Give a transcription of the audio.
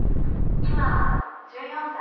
今１４歳。